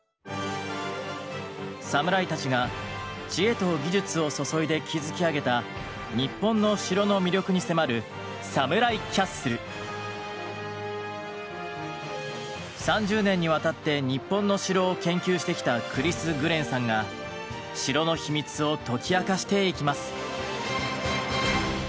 サムライたちが知恵と技術を注いで築き上げた日本の城の魅力に迫る３０年にわたって日本の城を研究してきたクリス・グレンさんが城の秘密を解き明かしていきます。